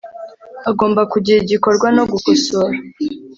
hagomba kugira igikorwa no gukosora